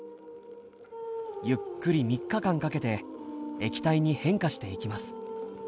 ゆっくり３日間かけて液体に変化していきます。